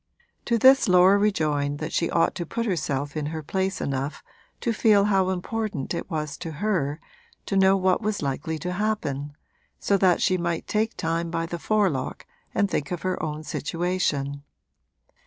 To this Laura rejoined that she ought to put herself in her place enough to feel how important it was to her to know what was likely to happen, so that she might take time by the forelock and think of her own situation.